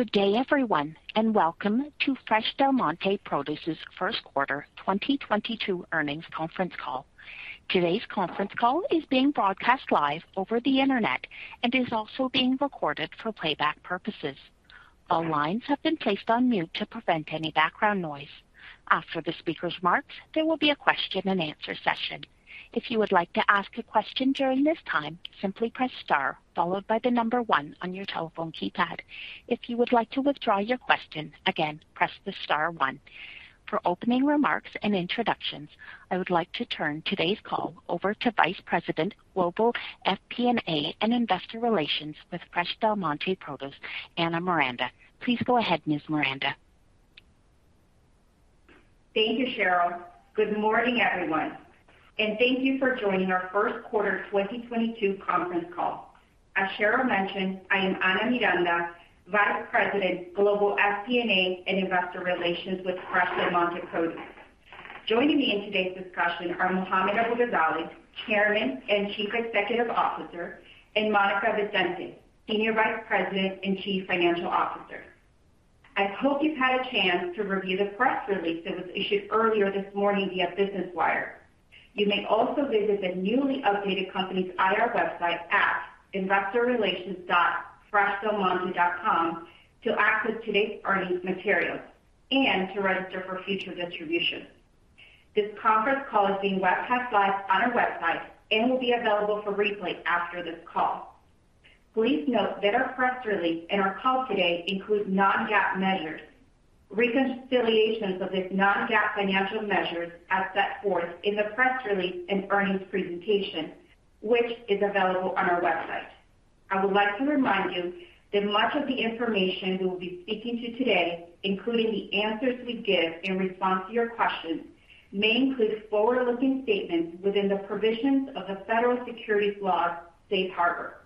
Good day, everyone, and welcome to Fresh Del Monte Produce's first quarter 2022 earnings conference call. Today's conference call is being broadcast live over the Internet and is also being recorded for playback purposes. All lines have been placed on mute to prevent any background noise. After the speaker's remarks, there will be a question-and-answer session. If you would like to ask a question during this time, simply press star followed by the number one on your telephone keypad. If you would like to withdraw your question, again, press the star one. For opening remarks and introductions, I would like to turn today's call over to Vice President, Global FP&A, and Investor Relations with Fresh Del Monte Produce, Ana Miranda. Please go ahead, Ms. Miranda. Thank you, Cheryl. Good morning, everyone, and thank you for joining our first quarter 2022 conference call. As Cheryl mentioned, I am Ana Miranda, Vice President, Global FP&A, and Investor Relations with Fresh Del Monte Produce. Joining me in today's discussion are Mohammad Abu-Ghazaleh, Chairman and Chief Executive Officer, and Monica Vicente, Senior Vice President and Chief Financial Officer. I hope you've had a chance to review the press release that was issued earlier this morning via Business Wire. You may also visit the newly updated company's IR website at investorrelations.freshdelmonte.com to access today's earnings materials and to register for future distribution. This conference call is being webcast live on our website and will be available for replay after this call. Please note that our press release and our call today include non-GAAP measures. Reconciliations of these non-GAAP financial measures as set forth in the press release and earnings presentation, which is available on our website. I would like to remind you that much of the information we will be speaking to today, including the answers we give in response to your questions, may include forward-looking statements within the provisions of the federal securities laws safe harbor.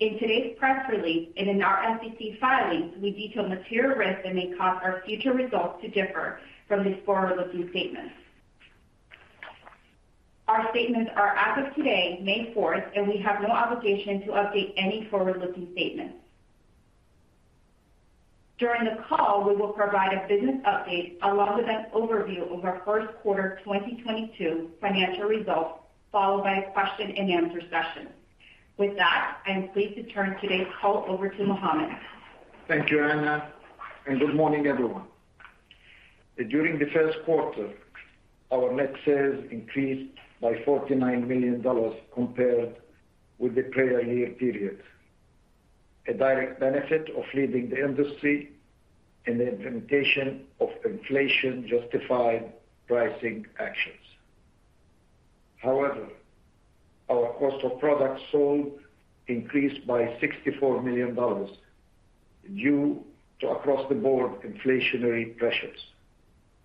In today's press release and in our SEC filings, we detail material risks that may cause our future results to differ from these forward-looking statements. Our statements are as of today, May fourth, and we have no obligation to update any forward-looking statements. During the call, we will provide a business update along with an overview of our first quarter 2022 financial results, followed by a question-and-answer session. With that, I am pleased to turn today's call over to Mohammad. Thank you, Ana, and good morning, everyone. During the first quarter, our net sales increased by $49 million compared with the prior year period, a direct benefit of leading the industry in the implementation of inflation-justified pricing actions. However, our cost of products sold increased by $64 million due to across-the-board inflationary pressures,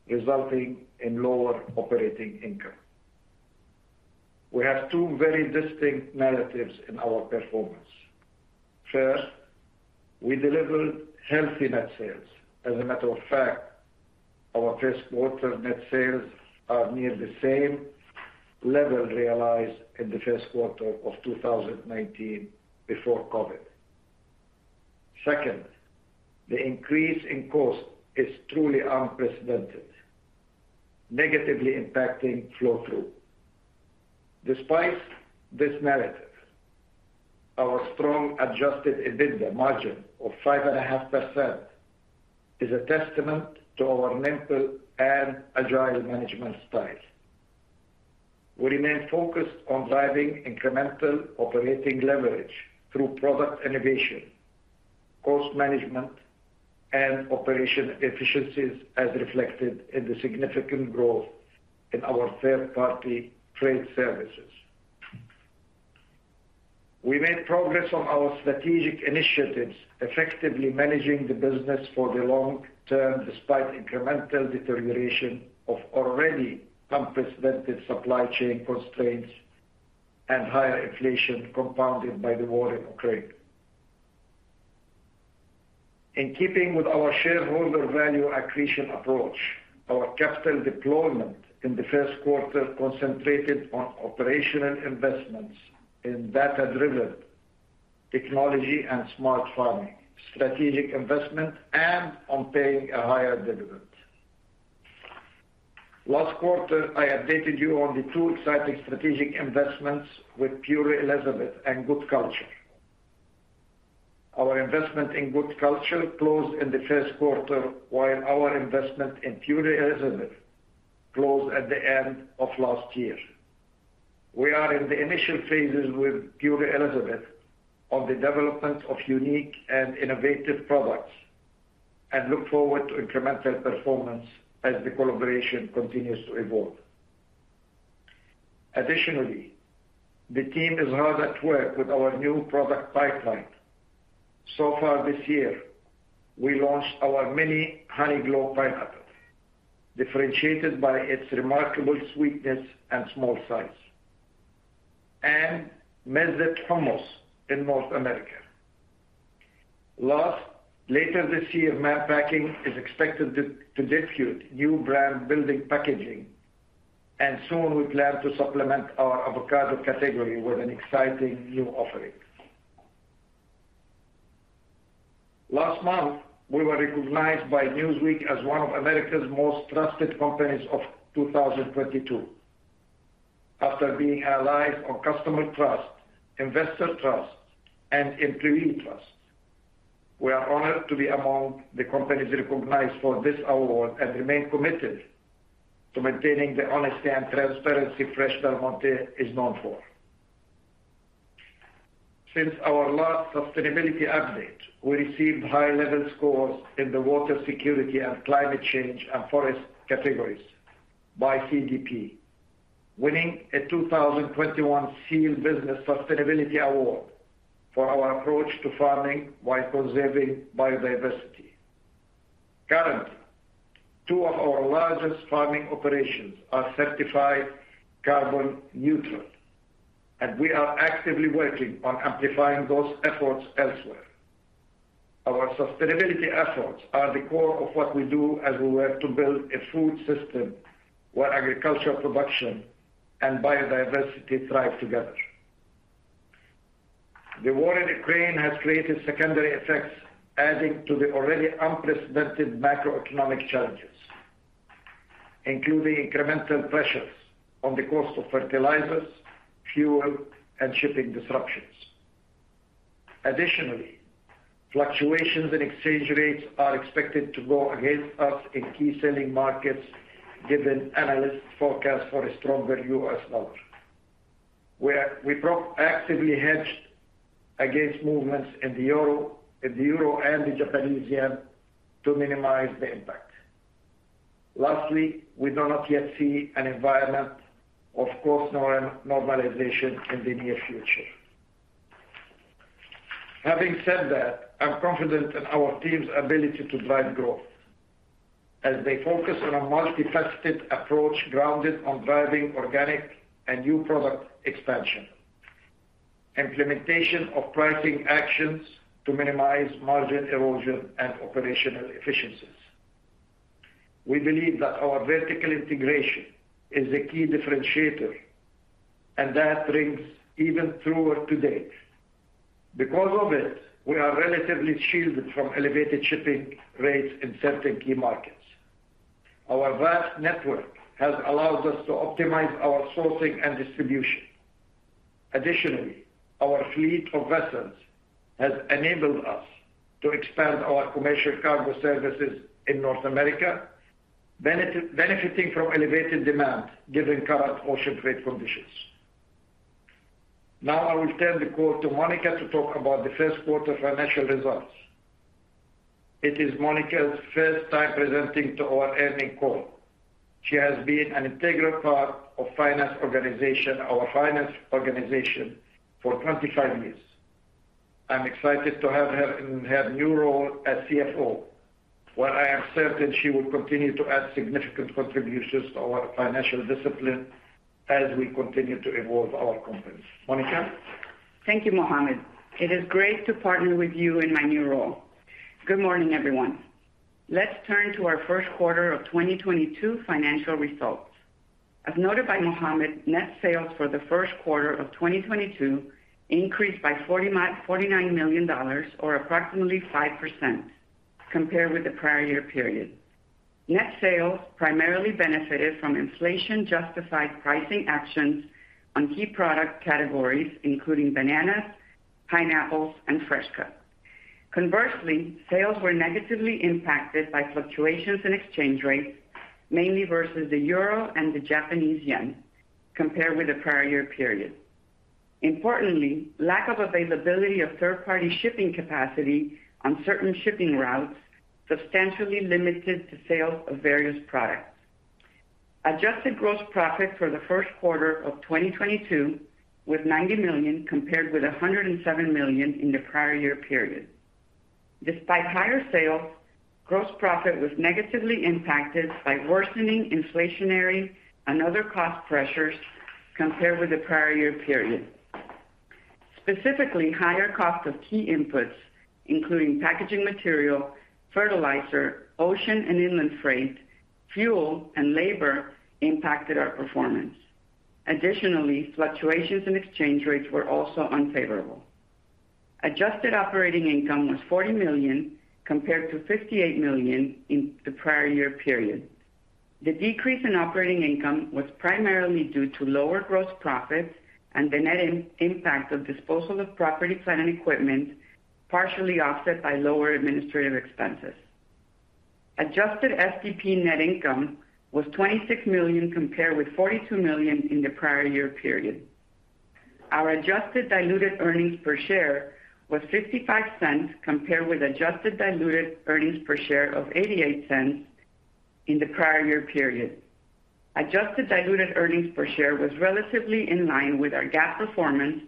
resulting in lower operating income. We have two very distinct narratives in our performance. First, we delivered healthy net sales. As a matter of fact, our first quarter net sales are near the same level realized in the first quarter of 2019 before COVID. Second, the increase in cost is truly unprecedented, negatively impacting flow through. Despite this narrative, our strong adjusted EBITDA margin of 5.5% is a testament to our nimble and agile management style. We remain focused on driving incremental operating leverage through product innovation, cost management, and operation efficiencies as reflected in the significant growth in our third-party trade services. We made progress on our strategic initiatives, effectively managing the business for the long term despite incremental deterioration of already unprecedented supply chain constraints and higher inflation compounded by the war in Ukraine. In keeping with our shareholder value accretion approach, our capital deployment in the first quarter concentrated on operational investments in data-driven technology and smart farming, strategic investment, and on paying a higher dividend. Last quarter, I updated you on the two exciting strategic investments with Purely Elizabeth and Good Culture. Our investment in Good Culture closed in the first quarter, while our investment in Purely Elizabeth closed at the end of last year. We are in the initial phases with Purely Elizabeth on the development of unique and innovative products, and look forward to incremental performance as the collaboration continues to evolve. Additionally, the team is hard at work with our new product pipeline. So far this year, we launched our mini Honeyglow pineapple, differentiated by its remarkable sweetness and small size, and Mezze Hummus in North America. Later this year, Mann Packing is expected to debut new brand building packaging. Soon we plan to supplement our avocado category with an exciting new offering. Last month, we were recognized by Newsweek as one of America's most trusted companies of 2022. After being relied on customer trust, investor trust, and employee trust, we are honored to be among the companies recognized for this award and remain committed to maintaining the honesty and transparency Fresh Del Monte is known for. Since our last sustainability update, we received high level scores in the water security and climate change and forest categories by CDP, winning a 2021 SEAL Business Sustainability Award for our approach to farming while conserving biodiversity. Currently, two of our largest farming operations are certified carbon neutral, and we are actively working on amplifying those efforts elsewhere. Our sustainability efforts are the core of what we do as we work to build a food system where agricultural production and biodiversity thrive together. The war in Ukraine has created secondary effects, adding to the already unprecedented macroeconomic challenges, including incremental pressures on the cost of fertilizers, fuel, and shipping disruptions. Additionally, fluctuations in exchange rates are expected to go against us in key selling markets given analysts forecasts for a stronger US dollar. We proactively hedged against movements in the euro, in the euro and the Japanese yen to minimize the impact. Lastly, we do not yet see an environment of course normalization in the near future. Having said that, I'm confident in our team's ability to drive growth as they focus on a multifaceted approach grounded on driving organic and new product expansion, implementation of pricing actions to minimize margin erosion and operational efficiencies. We believe that our vertical integration is a key differentiator, and that rings even truer today. Because of it, we are relatively shielded from elevated shipping rates in certain key markets. Our vast network has allowed us to optimize our sourcing and distribution. Additionally, our fleet of vessels has enabled us to expand our commercial cargo services in North America, benefiting from elevated demand given current ocean freight conditions. Now I will turn the call to Monica to talk about the first quarter financial results. It is Monica's first time presenting to our earnings call. She has been an integral part of our finance organization for 25 years. I'm excited to have her in her new role as CFO, where I am certain she will continue to add significant contributions to our financial discipline as we continue to evolve our company. Monica. Thank you, Mohammad. It is great to partner with you in my new role. Good morning, everyone. Let's turn to our first quarter of 2022 financial results. As noted by Mohammad, net sales for the first quarter of 2022 increased by $49 million or approximately 5% compared with the prior year period. Net sales primarily benefited from inflation justified pricing actions on key product categories including bananas, pineapples, and fresh cut. Conversely, sales were negatively impacted by fluctuations in exchange rates, mainly versus the euro and the Japanese yen compared with the prior year period. Importantly, lack of availability of third-party shipping capacity on certain shipping routes substantially limited the sales of various products. Adjusted gross profit for the first quarter of 2022 was $90 million compared with $107 million in the prior year period. Despite higher sales, gross profit was negatively impacted by worsening inflationary and other cost pressures compared with the prior year period. Specifically, higher cost of key inputs, including packaging material, fertilizer, ocean and inland freight, fuel, and labor impacted our performance. Additionally, fluctuations in exchange rates were also unfavorable. Adjusted operating income was $40 million compared to $58 million in the prior year period. The decrease in operating income was primarily due to lower gross profits and the net impact of disposal of property, plant, and equipment, partially offset by lower administrative expenses. Adjusted FDP net income was $26 million compared with $42 million in the prior year period. Our adjusted diluted earnings per share was $0.55 compared with adjusted diluted earnings per share of $0.88 in the prior year period. Adjusted diluted earnings per share was relatively in line with our GAAP performance,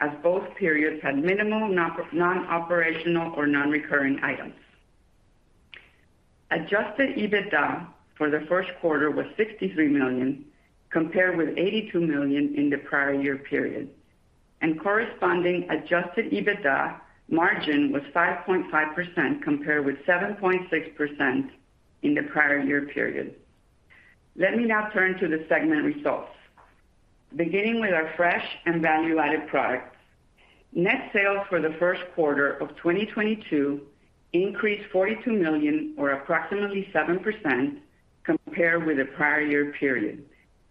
as both periods had minimal non-operational or non-recurring items. Adjusted EBITDA for the first quarter was $63 million, compared with $82 million in the prior year period. Corresponding adjusted EBITDA margin was 5.5% compared with 7.6% in the prior year period. Let me now turn to the segment results. Beginning with our Fresh and value-added products. Net sales for the first quarter of 2022 increased $42 million or approximately 7% compared with the prior year period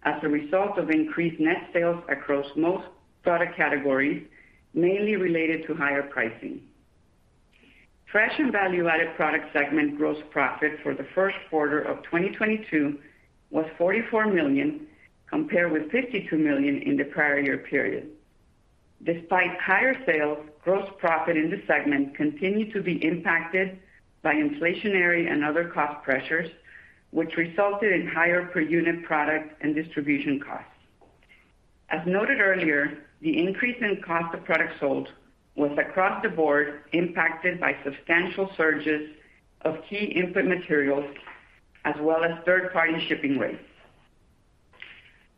as a result of increased net sales across most product categories, mainly related to higher pricing. Fresh and value-added products segment gross profit for the first quarter of 2022 was $44 million, compared with $52 million in the prior year period. Despite higher sales, gross profit in the segment continued to be impacted by inflationary and other cost pressures, which resulted in higher per unit product and distribution costs. As noted earlier, the increase in cost of products sold was across the board impacted by substantial surges of key input materials as well as third-party shipping rates.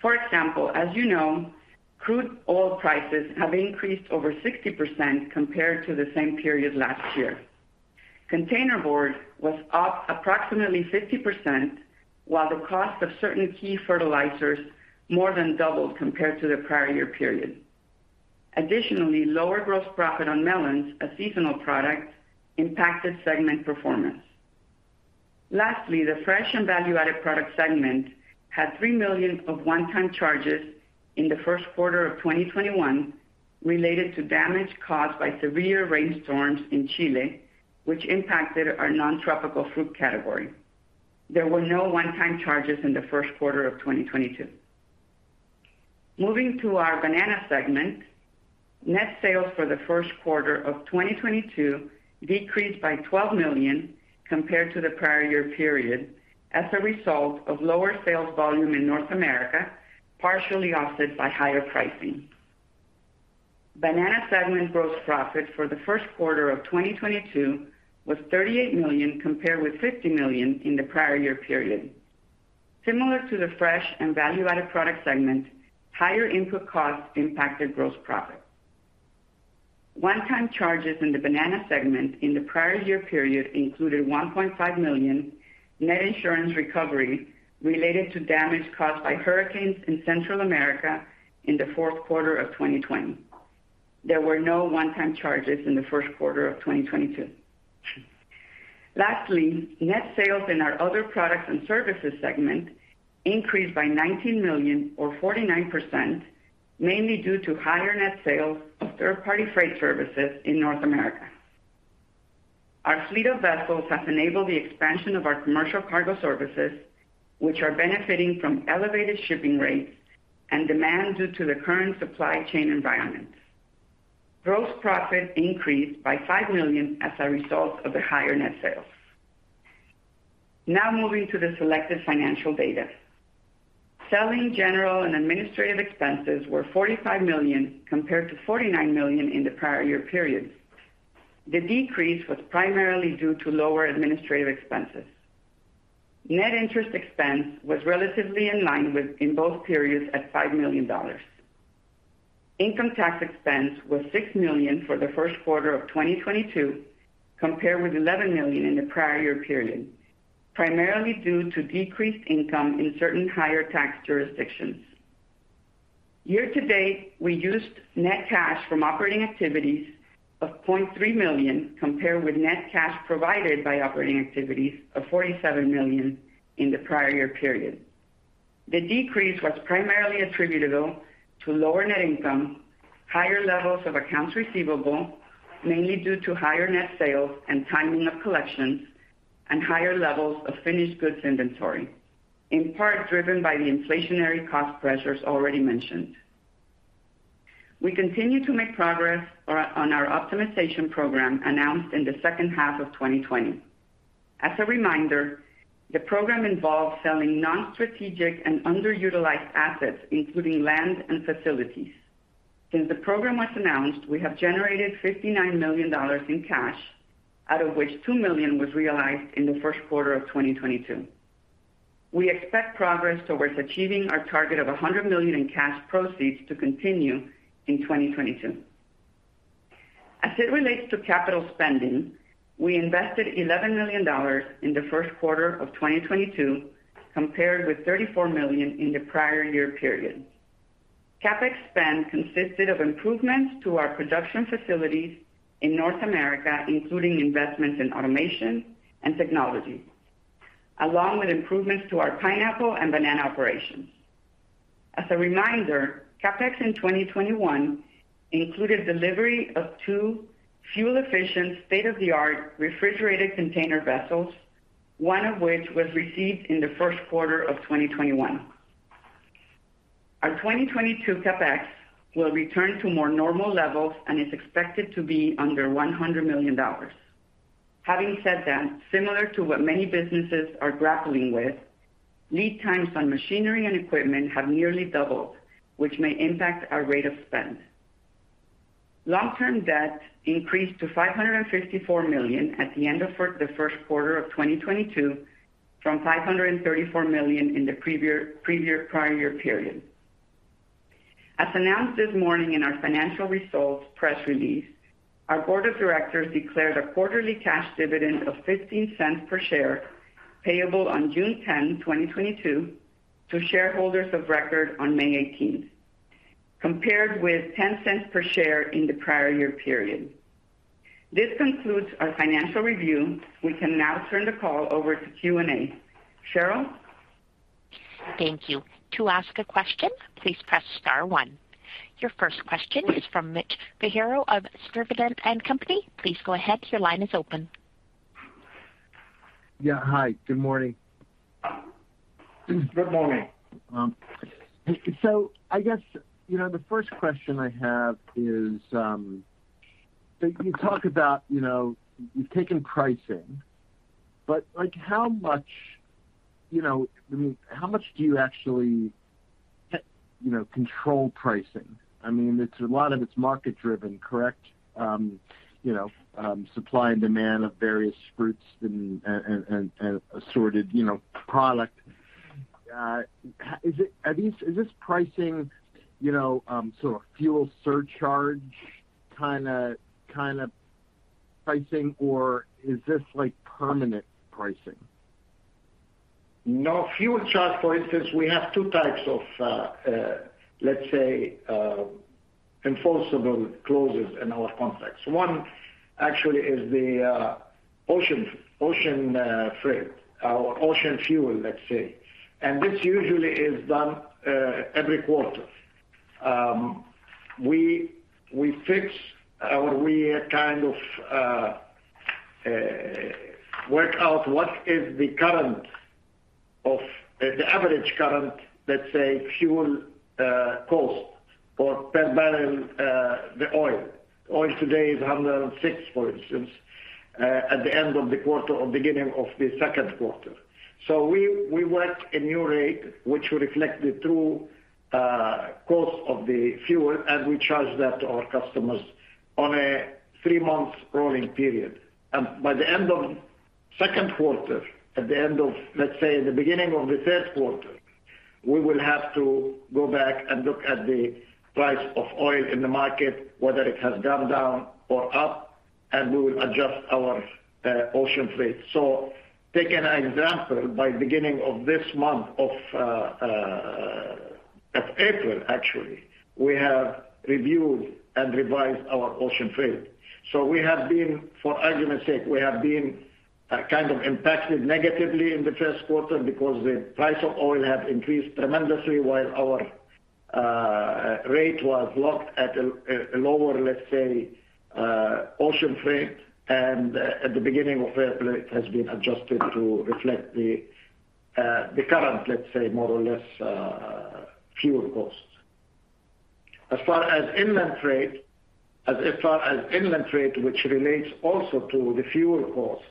For example, as you know, crude oil prices have increased over 60% compared to the same period last year. Container board was up approximately 50%, while the cost of certain key fertilizers more than doubled compared to the prior year period. Additionally, lower gross profit on melons, a seasonal product, impacted segment performance. Lastly, the Fresh and value-added products segment had $3 million of one-time charges in the first quarter of 2021 related to damage caused by severe rainstorms in Chile, which impacted our non-tropical fruit category. There were no one-time charges in the first quarter of 2022. Moving to our banana segment, net sales for the first quarter of 2022 decreased by $12 million compared to the prior year period as a result of lower sales volume in North America, partially offset by higher pricing. Banana segment gross profit for the first quarter of 2022 was $38 million, compared with $50 million in the prior year period. Similar to the fresh and value-added product segment, higher input costs impacted gross profit. One-time charges in the banana segment in the prior year period included $1.5 million net insurance recovery related to damage caused by hurricanes in Central America in the fourth quarter of 2020. There were no one-time charges in the first quarter of 2022. Lastly, net sales in our other products and services segment increased by $19 million or 49%, mainly due to higher net sales of third-party freight services in North America. Our fleet of vessels has enabled the expansion of our commercial cargo services, which are benefiting from elevated shipping rates and demand due to the current supply chain environment. Gross profit increased by $5 million as a result of the higher net sales. Now moving to the selected financial data. Selling, general, and administrative expenses were $45 million, compared to $49 million in the prior year period. The decrease was primarily due to lower administrative expenses. Net interest expense was relatively in line within both periods at $5 million. Income tax expense was $6 million for the first quarter of 2022, compared with $11 million in the prior year period, primarily due to decreased income in certain higher tax jurisdictions. Year to date, we used net cash from operating activities of $0.3 million, compared with net cash provided by operating activities of $47 million in the prior year period. The decrease was primarily attributable to lower net income, higher levels of accounts receivable, mainly due to higher net sales and timing of collections, and higher levels of finished goods inventory, in part driven by the inflationary cost pressures already mentioned. We continue to make progress on our optimization program announced in the second half of 2020. As a reminder, the program involves selling non-strategic and underutilized assets, including land and facilities. Since the program was announced, we have generated $59 million in cash, out of which $2 million was realized in the first quarter of 2022. We expect progress towards achieving our target of $100 million in cash proceeds to continue in 2022. As it relates to capital spending, we invested $11 million in the first quarter of 2022, compared with $34 million in the prior year period. CapEx spend consisted of improvements to our production facilities in North America, including investments in automation and technology, along with improvements to our pineapple and banana operations. As a reminder, CapEx in 2021 included delivery of two fuel-efficient state-of-the-art refrigerated container vessels, one of which was received in the first quarter of 2021. Our 2022 CapEx will return to more normal levels and is expected to be under $100 million. Having said that, similar to what many businesses are grappling with, lead times on machinery and equipment have nearly doubled, which may impact our rate of spend. Long-term debt increased to $554 million at the end of the first quarter of 2022, from $534 million in the prior year period. As announced this morning in our financial results press release, our board of directors declared a quarterly cash dividend of $0.15 per share, payable on June 10, 2022 to shareholders of record on May 18, compared with $0.10 per share in the prior year period. This concludes our financial review. We can now turn the call over to Q&A. Cheryl? Thank you. To ask a question, please press star one. Your first question is from Mitchell B. Pinheiro of Sturdivant & Co., Inc. Please go ahead. Your line is open. Yeah. Hi, good morning. Good morning. I guess, you know, the first question I have is, you talk about, you know, you've taken pricing, but, like, how much, you know, I mean, how much do you actually, you know, control pricing? I mean, it's a lot of it's market driven, correct? You know, supply and demand of various fruits and assorted, you know, product. Is this pricing, you know, sort of fuel surcharge kinda pricing, or is this, like, permanent pricing? No. Fuel charge, for instance, we have two types of, let's say, enforceable clauses in our contracts. One actually is the ocean freight ocean fuel, let's say. This usually is done every quarter. We fix or we kind of work out what is the average current, let's say, fuel cost or per barrel the oil. Oil today is $106, for instance, at the end of the quarter or beginning of the second quarter. We work a new rate, which will reflect the true cost of the fuel, and we charge that to our customers on a three-month rolling period. By the end of second quarter, at the end of, let's say, the beginning of the third quarter, we will have to go back and look at the price of oil in the market, whether it has gone down or up, and we will adjust our ocean freight. Take an example. By beginning of this month of April, actually, we have reviewed and revised our ocean freight. We have been, for argument's sake, kind of impacted negatively in the first quarter because the price of oil have increased tremendously while our rate was locked at a lower, let's say, ocean freight. At the beginning of April, it has been adjusted to reflect the current, let's say, more or less, fuel costs. As far as inland freight, which relates also to the fuel costs,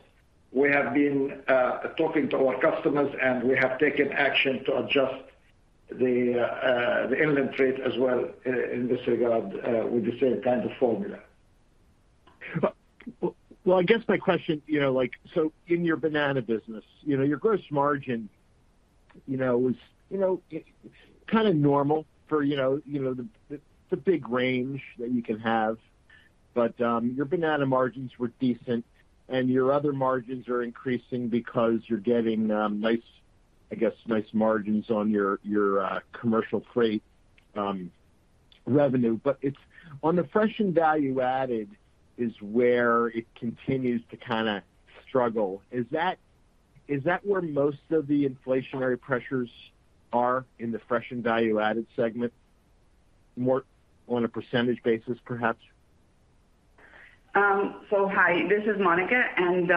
we have been talking to our customers, and we have taken action to adjust the inland freight as well in this regard, with the same kind of formula. Well, I guess my question, you know, like, so in your banana business, you know, your gross margin, you know, is, you know, it's kinda normal for, you know, you know, the big range that you can have. Your banana margins were decent. And your other margins are increasing because you're getting nice, I guess, nice margins on your commercial freight revenue. It's on the fresh and value-added is where it continues to kinda struggle. Is that where most of the inflationary pressures are in the fresh and value-added segment, more on a percentage basis, perhaps? Hi, this is Monica. In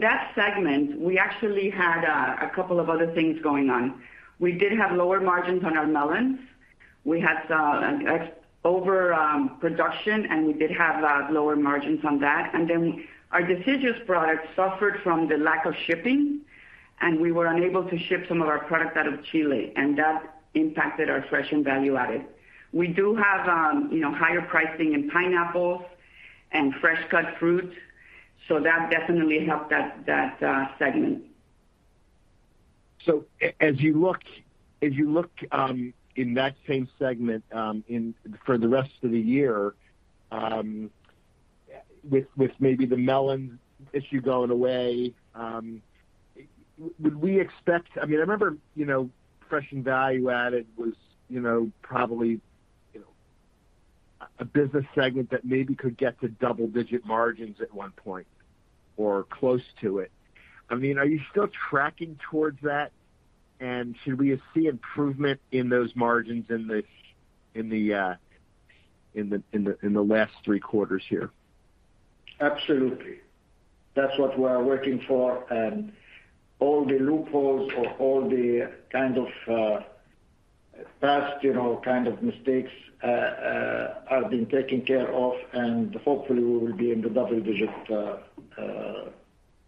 that segment, we actually had a couple of other things going on. We did have lower margins on our melons. We had excess production, and we did have lower margins on that. Our deciduous products suffered from the lack of shipping, and we were unable to ship some of our product out of Chile, and that impacted our fresh and value-added. We do have, you know, higher pricing in pineapples and fresh-cut fruits, so that definitely helped that segment. As you look in that same segment for the rest of the year, with maybe the melon issue going away, would we expect? I mean, I remember fresh and value-added was, you know, probably, you know, a business segment that maybe could get to double-digit margins at one point or close to it. I mean, are you still tracking towards that? Should we see improvement in those margins in the last three quarters here? Absolutely. That's what we're working for. All the loopholes or all the kind of past, you know, kind of mistakes are being taken care of, and hopefully we will be in the double-digit,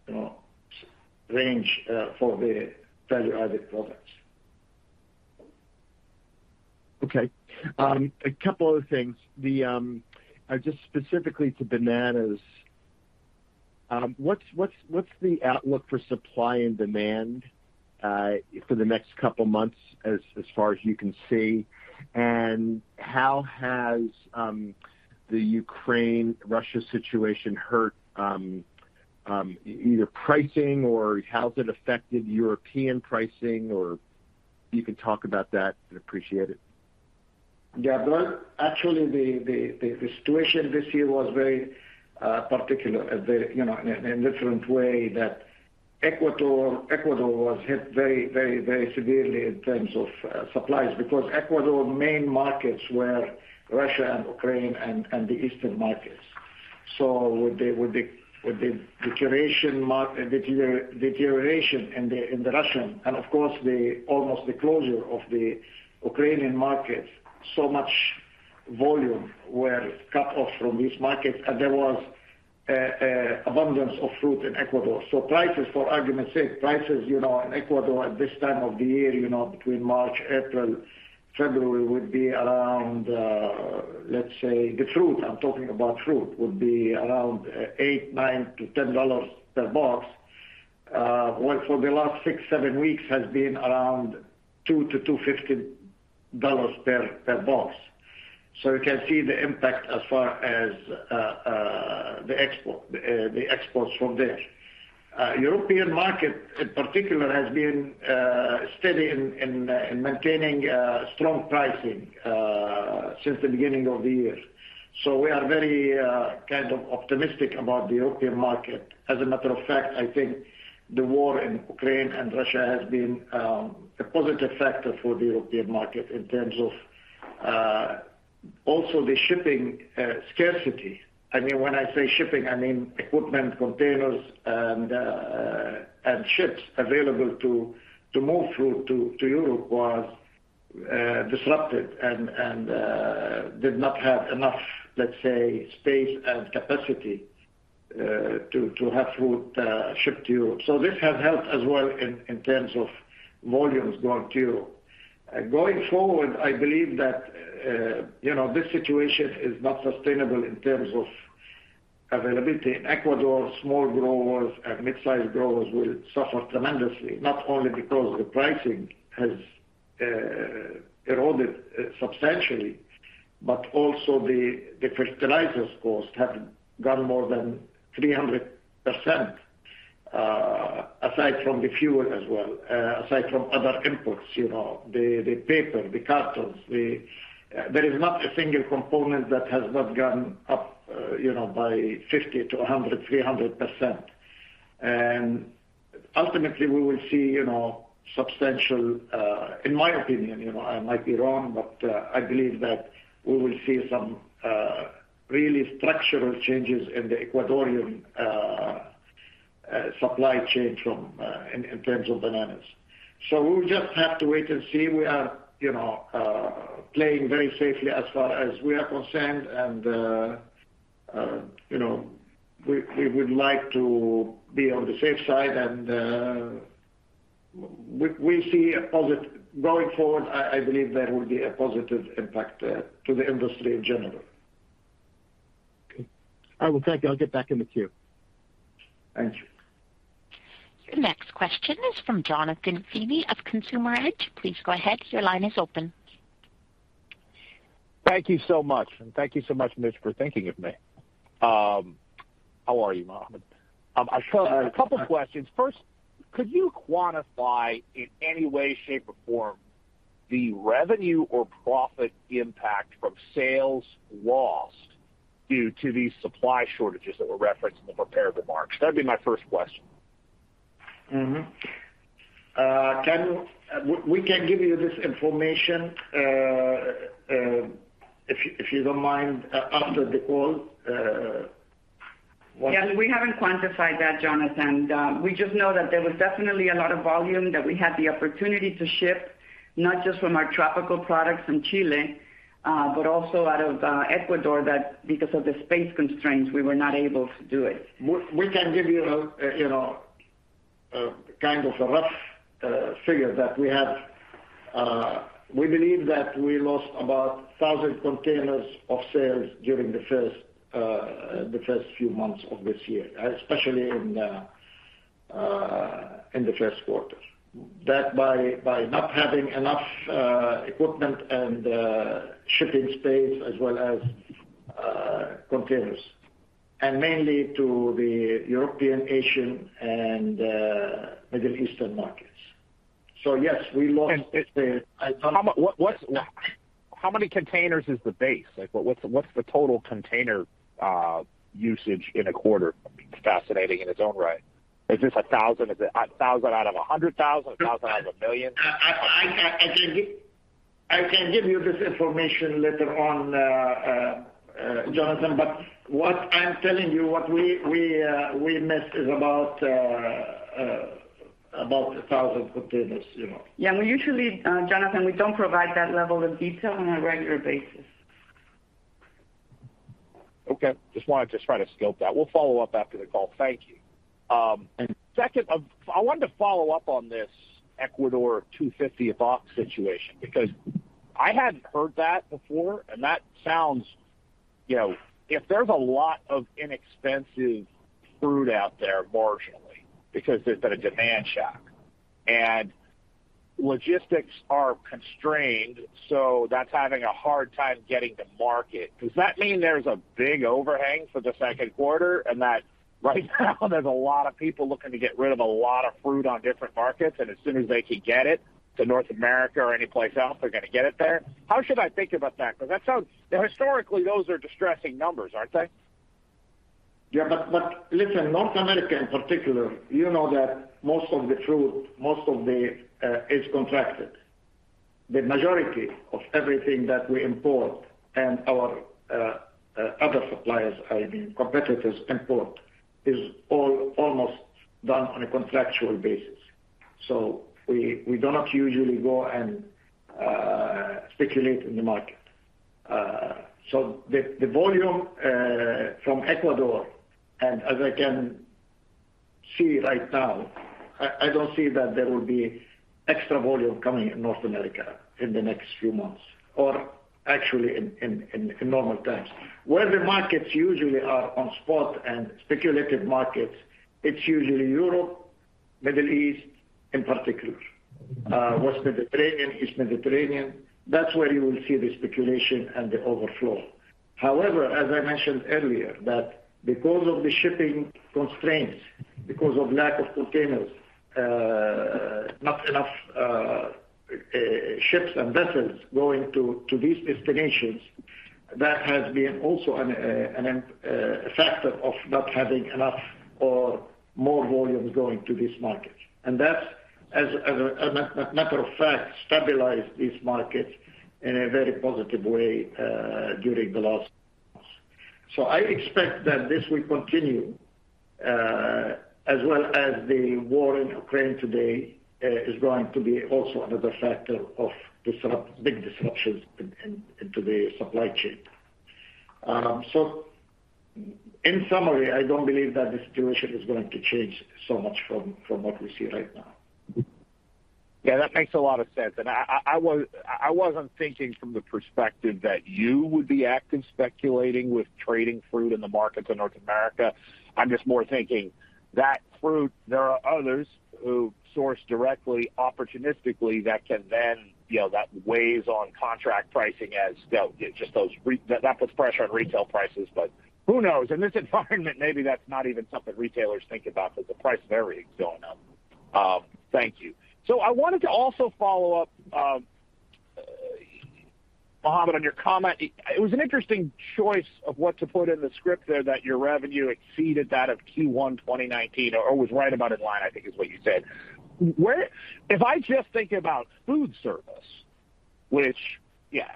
you know, range for the value-added products. Okay. A couple other things. Just specifically to bananas, what's the outlook for supply and demand, for the next couple months as far as you can see? How has the Ukraine-Russia situation hurt either pricing or how has it affected European pricing, or if you can talk about that, I'd appreciate it. Yeah. Well, actually the situation this year was very particular, you know, in a different way that Ecuador was hit very severely in terms of supplies because Ecuador main markets were Russia and Ukraine and the Eastern markets. With the deterioration in the Russian, and of course almost the closure of the Ukrainian markets, so much volume were cut off from these markets, and there was abundance of fruit in Ecuador. Prices, for argument's sake, you know, in Ecuador at this time of the year, you know, between March, April, February would be around, let's say the fruit, I'm talking about fruit, would be around $8-$10 per box. When for the last 6-7 weeks has been around $2-$2.50 per box. You can see the impact as far as the exports from there. European market in particular has been steady in maintaining strong pricing since the beginning of the year. We are very kind of optimistic about the European market. As a matter of fact, I think the war in Ukraine and Russia has been a positive factor for the European market in terms of also the shipping scarcity. I mean, when I say shipping, I mean equipment, containers and ships available to move fruit to Europe was disrupted and did not have enough, let's say, space and capacity to have fruit shipped to Europe. This has helped as well in terms of volumes going to Europe. Going forward, I believe that you know, this situation is not sustainable in terms of availability. In Ecuador, small growers and mid-sized growers will suffer tremendously, not only because the pricing has eroded substantially, but also the fertilizers cost have gone more than 300%, aside from the fuel as well, aside from other imports, you know, the paper, the cartons. There is not a single component that has not gone up, you know, by 50 to 100, 300%. Ultimately, we will see, you know, substantial, in my opinion, you know, I might be wrong, but I believe that we will see some really structural changes in the Ecuadorian supply chain in terms of bananas. We will just have to wait and see. We are, you know, playing very safely as far as we are concerned. You know, we would like to be on the safe side and going forward, I believe there will be a positive impact to the industry in general. Okay. I will take it. I'll get back in the queue. Thank you. Your next question is from Jonathan Feeney of Consumer Edge. Please go ahead. Your line is open. Thank you so much. Thank you so much, Mitch, for thinking of me. How are you, Mohammad? Fine. I have a couple questions. First, could you quantify in any way, shape, or form the revenue or profit impact from sales lost due to these supply shortages that were referenced in the prepared remarks? That'd be my first question. We can give you this information, if you don't mind, after the call. Yeah. We haven't quantified that, Jonathan. We just know that there was definitely a lot of volume that we had the opportunity to ship, not just from our tropical products in Chile, but also out of Ecuador that because of the space constraints, we were not able to do it. We can give you know, kind of a rough figure that we have. We believe that we lost about 1,000 containers of sales during the first few months of this year, especially in the first quarter. That, by not having enough equipment and shipping space as well as containers, and mainly to the European, Asian, and Middle Eastern markets. Yes, we lost the What? How many containers is the base? Like, what's the total container usage in a quarter? I mean, it's fascinating in its own right. Is this 1,000? Is it 1,000 out of 100,000? 1,000 out of 1,000,000? I can give you this information later on, Jonathan. What I'm telling you, what we missed is about 1,000 containers, you know? Yeah. We usually, Jonathan, we don't provide that level of detail on a regular basis. Okay. Just wanted to try to scope that. We'll follow up after the call. Thank you. Second, I wanted to follow up on this Ecuador $250 a box situation because I hadn't heard that before, and that sounds, you know, if there's a lot of inexpensive fruit out there marginally because there's been a demand shock, and logistics are constrained, so that's having a hard time getting to market. Does that mean there's a big overhang for the second quarter, and that right now there's a lot of people looking to get rid of a lot of fruit on different markets, and as soon as they can get it to North America or anyplace else, they're gonna get it there? How should I think about that? Because that sounds. Historically, those are distressing numbers, aren't they? Yeah. Listen, North America in particular, you know that most of the fruit is contracted. The majority of everything that we import and our other suppliers, I mean, competitors import, is almost all done on a contractual basis. We do not usually go and speculate in the market. The volume from Ecuador, and as I can see right now, I don't see that there will be extra volume coming in North America in the next few months or actually in normal times. Where the markets usually are on spot and speculative markets, it's usually Europe, Middle East in particular. Mm-hmm. West Mediterranean, East Mediterranean. That's where you will see the speculation and the overflow. However, as I mentioned earlier, that because of the shipping constraints, because of lack of containers, not enough ships and vessels going to these destinations, that has been also a factor of not having enough or more volume going to these markets. That's, as a matter of fact, stabilized these markets in a very positive way during the last. I expect that this will continue, as well as the war in Ukraine today is going to be also another factor of big disruptions into the supply chain. In summary, I don't believe that the situation is going to change so much from what we see right now. Yeah, that makes a lot of sense. I wasn't thinking from the perspective that you would be active speculating with trading fruit in the markets in North America. I'm just more thinking that fruit, there are others who source directly opportunistically that can then, you know, that weighs on contract pricing as, you know, just those that puts pressure on retail prices. Who knows? In this environment maybe that's not even something retailers think about, but the price of everything is going up. Thank you. I wanted to also follow up, Mohammad, on your comment. It was an interesting choice of what to put in the script there that your revenue exceeded that of Q1 2019 or was right about in line, I think is what you said. If I just think about food service, which, yeah,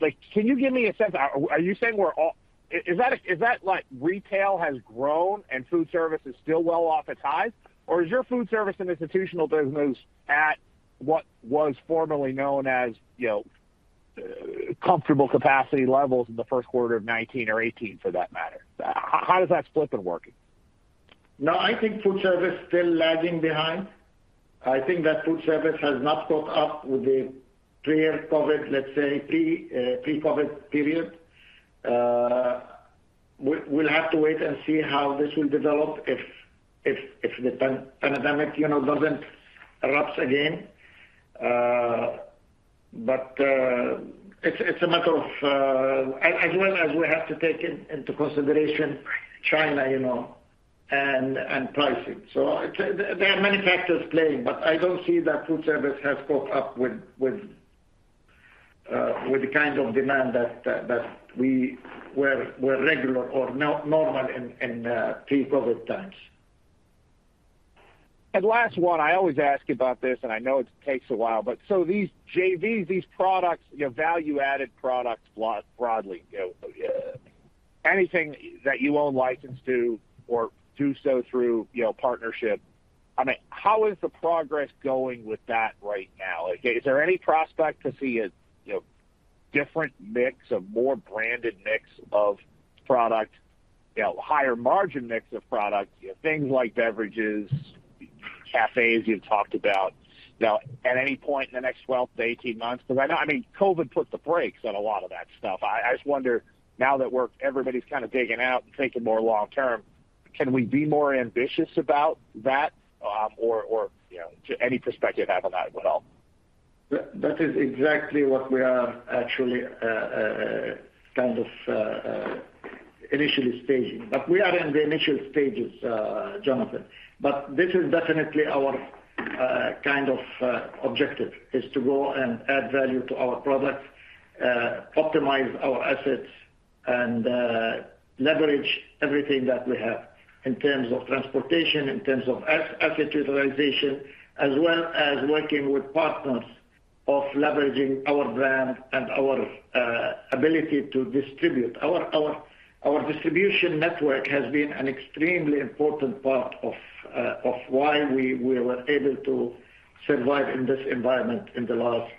like, can you give me a sense? Are you saying we're all? Is that like retail has grown and food service is still well off its highs? Or is your food service and institutional business at what was formerly known as, you know, comfortable capacity levels in the first quarter of 2019 or 2018 for that matter? How does that split been working? No, I think food service still lagging behind. I think that food service has not caught up with the pre-COVID, let's say, pre-COVID period. We'll have to wait and see how this will develop if the pandemic, you know, doesn't erupt again. But it's a matter of, as well as we have to take into consideration China, you know, and pricing. There are many factors playing, but I don't see that food service has caught up with the kind of demand that we were regular or normal in pre-COVID times. Last one, I always ask you about this, and I know it takes a while. These JVs, these products, you know, value-added products broadly, you know, anything that you own license to or do so through, you know, partnership, I mean, how is the progress going with that right now? Like, is there any prospect to see a, you know, different mix, a more branded mix of product, you know, higher margin mix of product, you know, things like beverages, cafes you've talked about? You know, at any point in the next 12-18 months, 'cause I know, I mean, COVID put the brakes on a lot of that stuff. I just wonder now that we're everybody's kind of digging out and thinking more long term, can we be more ambitious about that, or you know, any perspective you have on that at all? That is exactly what we are actually kind of initially staging. We are in the initial stages, Jonathan. This is definitely our kind of objective, is to go and add value to our products, optimize our assets, and leverage everything that we have in terms of transportation, in terms of asset utilization, as well as working with partners of leveraging our brand and our ability to distribute. Our distribution network has been an extremely important part of why we were able to survive in this environment in the last,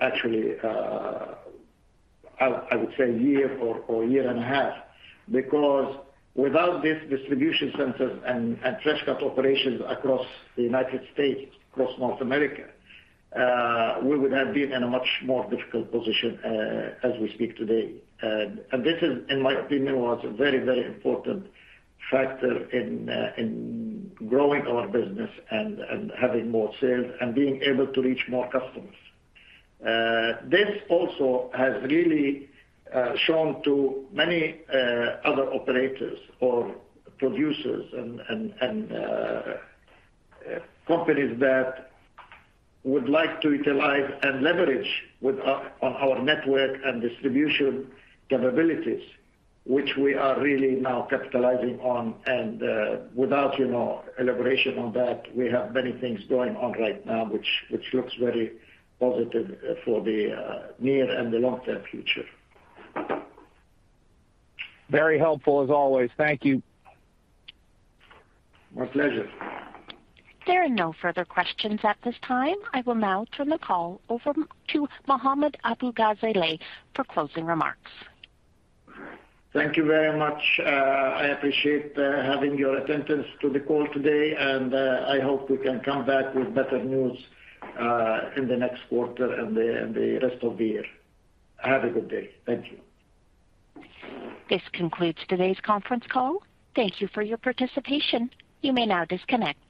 actually, I would say year or year and a half. Because without these distribution centers and fresh-cut operations across the United States, across North America, we would have been in a much more difficult position, as we speak today. This is, in my opinion, was a very important factor in growing our business and having more sales and being able to reach more customers. This also has really shown to many other operators or producers and companies that would like to utilize and leverage on our network and distribution capabilities, which we are really now capitalizing on. Without, you know, elaboration on that, we have many things going on right now which looks very positive for the near and the long-term future. Very helpful as always. Thank you. My pleasure. There are no further questions at this time. I will now turn the call over to Mohammad Abu-Ghazaleh for closing remarks. Thank you very much. I appreciate having your attendance to the call today, and I hope we can come back with better news in the next quarter and the rest of the year. Have a good day. Thank you. This concludes today's conference call. Thank you for your participation. You may now disconnect.